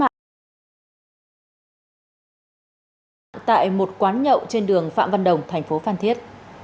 tại một quán nhậu trên đường phạm văn đồng thành phố phan thiết